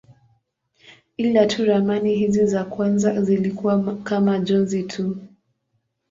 Ila tu ramani hizi za kwanza zilikuwa kama njozi tu.